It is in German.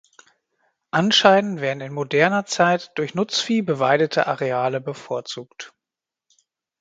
Anscheinend werden in moderner Zeit durch Nutzvieh beweidete Areale bevorzugt.